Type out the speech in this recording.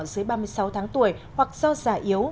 dưới ba mươi sáu tháng tuổi hoặc do già yếu